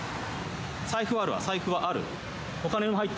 財布はある、財布はある。